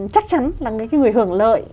chắc chắn là những người hưởng lợi